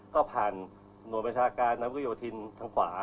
ก็ผ่านหนวงบรรชากาลนำวิวทินต์ทางขวา